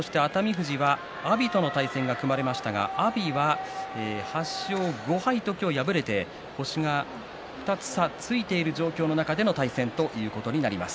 富士は阿炎との対戦が組まれましたが阿炎は８勝５敗と今日敗れて星が２つ差ついている状況の中での対戦ということになります。